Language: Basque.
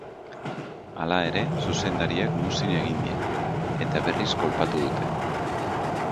Hala ere, zuzendariak muzin egin die, eta berriz kolpatu dute.